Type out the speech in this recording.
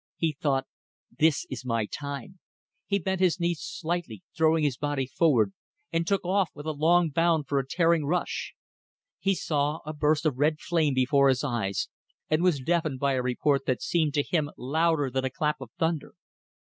He thought: This is my time ... He bent his knees slightly, throwing his body forward, and took off with a long bound for a tearing rush. He saw a burst of red flame before his eyes, and was deafened by a report that seemed to him louder than a clap of thunder.